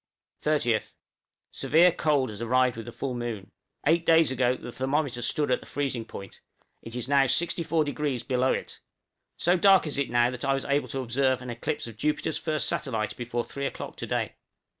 {PROXIMITY OF OPEN SEA.} 30th. Severe cold has arrived with the full moon; eight days ago the thermometer stood at the freezing point, it is now 64° below it! So dark is it now that I was able to observe an eclipse of Jupiter's first satellite before three o'clock to day.